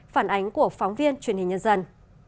phản ánh của phóng viên truyền hình nhân dân